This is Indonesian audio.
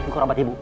buka obat ibu